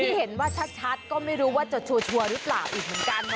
ที่เห็นว่าชัดก็ไม่รู้ว่าจะชัวร์หรือเปล่าอีกเหมือนกัน